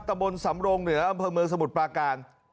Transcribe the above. ตะบนสำรงเหนืออำเภอเมืองสมุทรปราการ